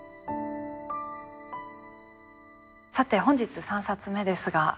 さて本日３冊目ですが。